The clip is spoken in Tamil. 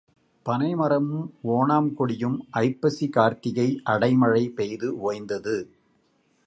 பனைமரமும் ஒணாங்கொடியும் ஐப்பசி கார்த்திகை அடைமழை பெய்து ஒய்ந்தது.